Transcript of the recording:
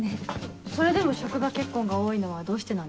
それでも職場結婚が多いのはどうしてなんですか？